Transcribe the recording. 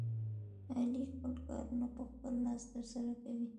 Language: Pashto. علي خپل کارونه په خپل لاس ترسره کوي.